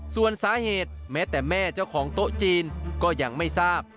ส่วนสาเหตุแม้แต่แม่เจ้าของโต๊ะจีนก็ยังไม่ทราบ